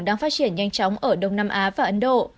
đang phát triển nhanh chóng ở đông nam á và ấn độ